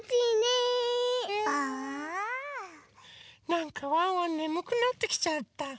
なんかワンワンねむくなってきちゃった。